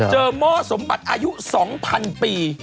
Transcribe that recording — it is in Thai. หม้อสมบัติอายุ๒๐๐๐ปี